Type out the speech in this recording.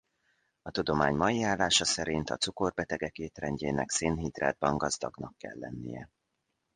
A tudomány mai állása szerint a cukorbetegek étrendjének szénhidrátban gazdagnak kell lennie.